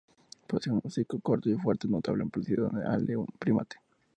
Posee un hocico corto y fuerte, notablemente parecido al de un primate.